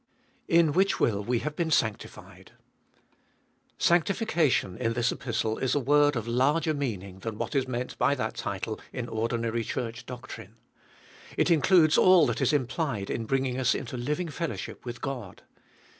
In which will we have been sanctified. Sanctification in this Epistle is a word of larger meaning than what is meant by that title in ordinary Church doctrine. It includes all that is implied in bringing us into living fellowship with God.